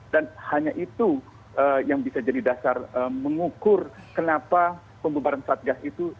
dan hanya itu yang bisa jadi dasar mengukur kenapa pembubaran satgas itu